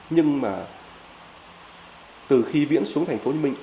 nhưng mà từ khi viễn xuống thành phố hồ chí minh